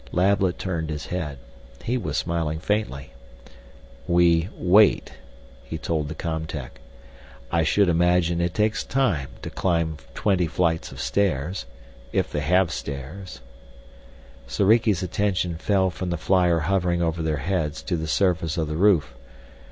Lablet turned his head. He was smiling faintly. "We wait," he told the com tech. "I should imagine it takes time to climb twenty flights of stairs if they have stairs " Soriki's attention fell from the flyer hovering over their heads to the surface of the roof.